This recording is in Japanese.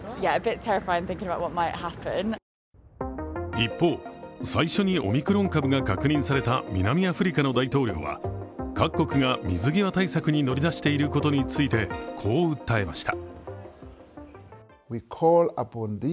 一方、最初にオミクロン株が確認された南アフリカの大統領は各国が水際対策に乗り出していることについてこう訴えました。